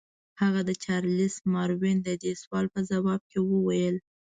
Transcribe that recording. هغه د چارلس ماروین د دې سوال په ځواب کې وویل.